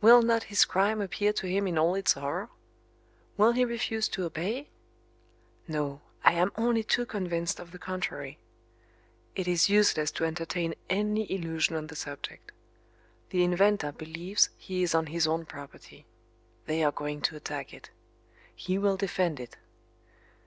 Will not his crime appear to him in all its horror? Will he refuse to obey? No, I am only too convinced of the contrary. It is useless to entertain any illusion on the subject. The inventor believes he is on his own property. They are going to attack it. He will defend it.